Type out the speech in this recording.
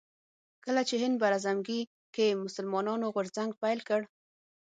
کله چې هند براعظمګي کې مسلمانانو غورځنګ پيل کړ